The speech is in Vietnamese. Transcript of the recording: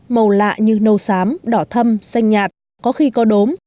màu lạ như nâu xám đỏ thâm xanh nhạt có khi có đốm